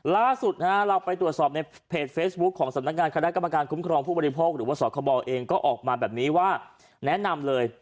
ล่าสุดเราไปตรวจสอบในเพจเฟซบุ๊คของสำนักงานคณะกรรมการคุ้มครองผู้บริโภคหรือว่าสคบเองก็ออกมาแบบนี้ว่าแนะนำเลย